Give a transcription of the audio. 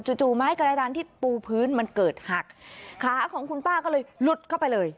จู่ไม้กระดานที่ปูพื้นมันเกิดหักขาของคุณป้าก็เลยหลุดเข้าไปเลย